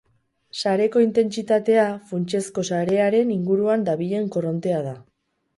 Sareko intentsitatea funtsezko sarearen inguruan dabilen korrontea da.